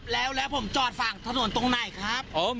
แล้วผมจอดฝั่งถนนตรงไหนครับ